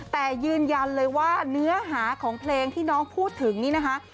แต่ยืนยันเลยว่าเนื้อหาของเพลงที่น้องพูดถึงนี่นะคะ